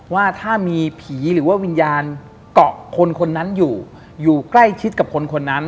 ว่าถ้ามีผีหรือว่าวิญญาณเกาะคนคนนั้นอยู่อยู่ใกล้ชิดกับคนคนนั้น